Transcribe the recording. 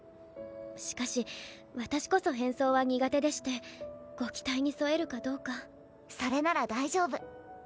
しかし私こそ変装は苦手でしてご期待に沿えるかどうかそれなら大丈夫